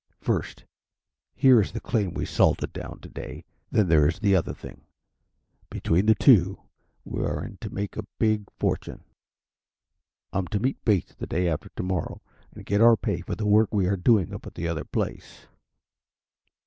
First, here is the claim we salted down today, then there is the other thing. Between the two we are in to make a big fortune. I'm to meet Bates the day after tomorrow and get our pay for the work we are doing up at the other place."